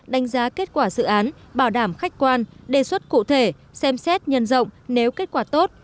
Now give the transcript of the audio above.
đánh giá kết quả dự án bảo đảm khách quan đề xuất cụ thể xem xét nhân rộng nếu kết quả tốt